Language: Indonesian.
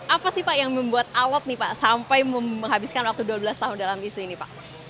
apa sih pak yang membuat awak nih pak sampai menghabiskan waktu dua belas tahun dalam isu ini pak